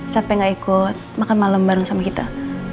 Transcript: sampai gak ikut makan malam bareng sama kita